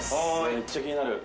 めっちゃ気になる。